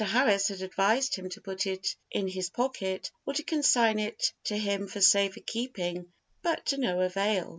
Harris had advised him to put it in his pocket or to consign it to him for safer keeping but to no avail.